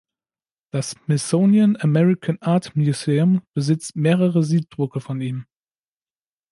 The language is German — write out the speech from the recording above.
Das Smithsonian American Art Museum besitzt mehrere Siebdrucke von ihm.